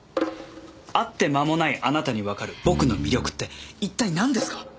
会って間もないあなたにわかる僕の魅力って一体なんですか？